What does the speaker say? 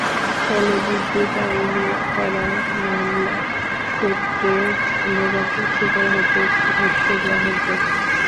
ফলে বিদ্যুৎ আইনে করা মামলার ক্ষেত্রে ভোগান্তির শিকার হতে হচ্ছে গ্রাহকদের।